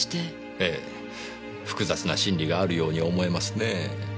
ええ複雑な心理があるように思えますねぇ。